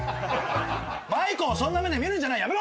マイコをそんな目で見るんじゃないやめろ！